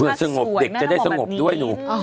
เพื่อสงบเด็กจะได้สงบด้วยหนู